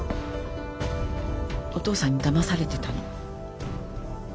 お父さんにだまされてたの。